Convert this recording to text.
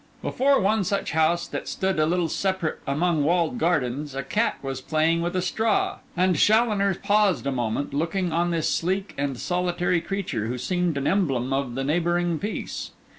Before one such house, that stood a little separate among walled gardens, a cat was playing with a straw, and Challoner paused a moment, looking on this sleek and solitary creature, who seemed an emblem of the neighbouring peace.